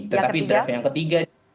tetapi draft yang ketiga